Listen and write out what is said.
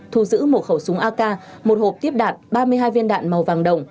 thu giữ một khẩu súng ak một hộp tiếp đạn ba mươi hai viên đạn màu vàng đồng